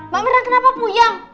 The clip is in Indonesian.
mbak mirna kenapa puyang